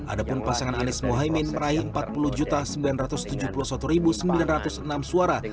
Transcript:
adapun pasangan anies mohaimin meraih empat puluh sembilan ratus tujuh puluh satu sembilan ratus enam suara